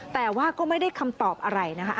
แต่ว่าก็ไม่ได้คำตอบอะไรนะคะ